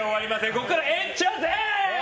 ここから延長戦！